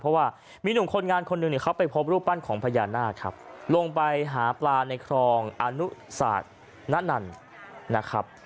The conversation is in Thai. เพราะว่ามีหนุ่มคนงานคนหนึ่งเนี่ยเขาไปพบรูปปั้นของพญานาคครับลงไปหาปลาในครองอนุศาสตร์นนันนะครับ